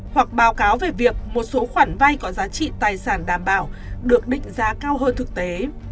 hoặc báo cáo về việc một số khoản vay có giá trị tài sản đảm bảo được định giá cao hơn thực tế